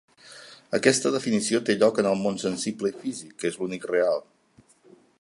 Aquesta definició té lloc en el món sensible i físic, que és l'únic real.